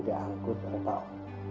diangkut oleh pak om